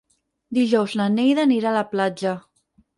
Dijous na Neida anirà a la platja.